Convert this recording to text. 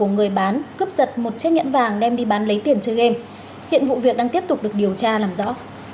giật một chiếc nhẫn vàng đem đi bán lấy tiền chơi game hiện vụ việc đang tiếp tục được điều tra làm rõ